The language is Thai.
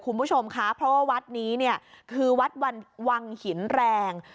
คุณผู้ชมคะเพราะว่าวัดนี้เนี่ยคือวัดวังหินแรง